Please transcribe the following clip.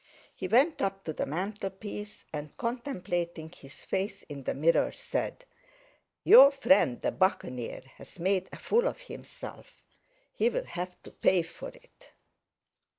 He went up to the mantelpiece, and contemplating his face in the mirror said: "Your friend the Buccaneer has made a fool of himself; he will have to pay for it!"